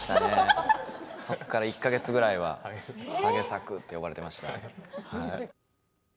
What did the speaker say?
そこから１か月ぐらいはハゲ作って呼ばれてました。